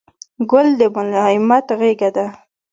ګل د ملایمت غېږه ده.